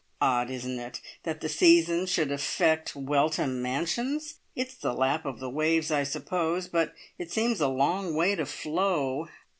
Odd, isn't it, that the season should affect `Weltham Mansions'? It's the lap of the waves, I suppose, but it seems a long way to flow.